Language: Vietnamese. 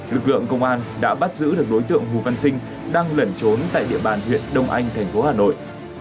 lực lượng công an đã bắt giữ được đối tượng hồ văn sinh đang lẩn trốn tại địa bàn huyện đông anh thành phố hà nội